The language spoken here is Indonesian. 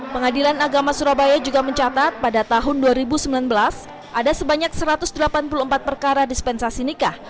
pengadilan agama surabaya juga mencatat pada tahun dua ribu sembilan belas ada sebanyak satu ratus delapan puluh empat perkara dispensasi nikah